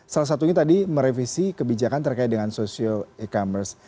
salah satunya tadi merevisi kebijakan terkait dengan social e commerce